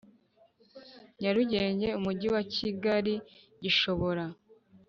Nyarugenge Umujyi wa Kigali Gishobora